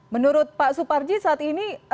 menurut pak suparji saat ini